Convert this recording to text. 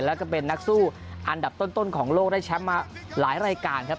แล้วก็เป็นนักสู้อันดับต้นของโลกได้แชมป์มาหลายรายการครับ